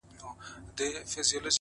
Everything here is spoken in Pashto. ابن مريمه زما له سيورې مه ځه;